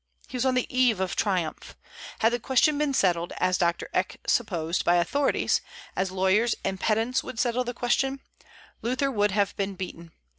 He was on the eve of triumph. Had the question been settled, as Doctor Eck supposed, by authorities, as lawyers and pedants would settle the question, Luther would have been beaten.